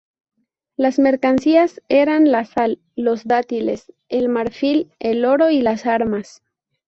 Las mercancías eran la sal, los dátiles, el marfil, el oro y las armas.